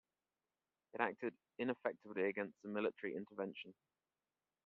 It acted ineffectively against a military intervention.